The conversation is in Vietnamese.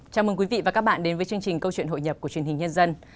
chào mừng quý vị và các bạn đến với chương trình câu chuyện hội nhập của truyền hình nhân dân